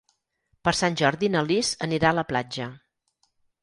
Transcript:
Per Sant Jordi na Lis anirà a la platja.